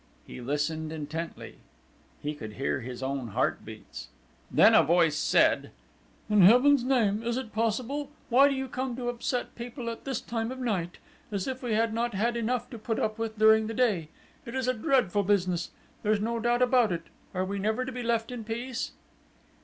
He listened intently: he could hear his own heartbeats. Then a voice said: "In Heaven's name! Is it possible? Why do you come to upset people at this time of night? As if we had not had enough to put up with during the day! It is a dreadful business! There's no doubt about it! Are we never to be left in peace?"